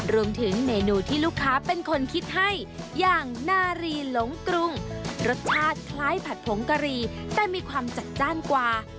รวมถึงเมนูที่ลูกค้าเป็นคนคิดให้อย่างนารีหลงกรุงรสชาติคล้ายผัดผงกะหรี่แต่มีความจัดจ้านกว่า